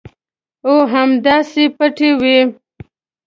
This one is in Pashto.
او همداسې پټې وي.